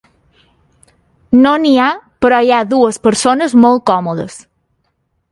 No n'hi ha, però hi ha dues persones molt còmodes.